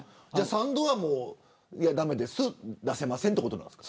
３度は駄目です、出せませんということですか。